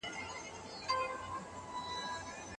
د دې ازادۍ ارزښت د اندازه کولو نه دی.